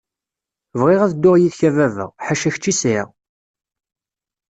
Bɣiɣ ad dduɣ yid-k a baba, ḥaca kečč i sɛiɣ.